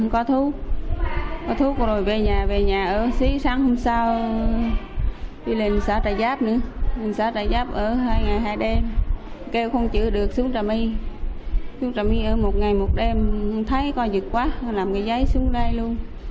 có thuốc rồi về nhà về nhà ở xí sáng hôm sau